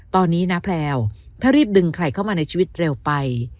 ตอนนี้นะแพลวถ้ารีบดึงใครเข้ามาในชีวิตเร็วไป